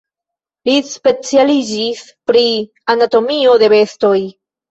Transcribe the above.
Li specialiĝis pri anatomio de bestoj.